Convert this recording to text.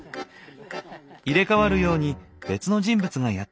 入れ代わるように別の人物がやって来た。